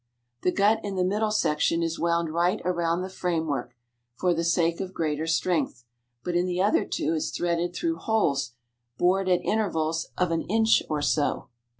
The gut in the middle section is wound right around the framework for the sake of greater strength, but in the other two is threaded through holes bored at intervals of an inch or so.